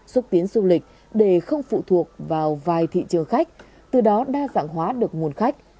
xúc tiến du lịch để không phụ thuộc vào vài thị trường khách từ đó đa dạng hóa được nguồn khách